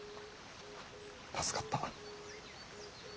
助かった。